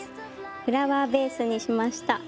フラワーベースにしました。